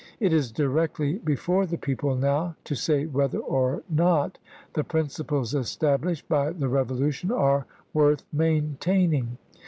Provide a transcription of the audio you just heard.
It is directly before the people now to say whether or not the principles established by the Revolution are worth maintaining.